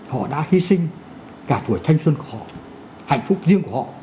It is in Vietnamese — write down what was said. họ đã hy sinh cả tuổi thanh xuân của họ hạnh phúc riêng của họ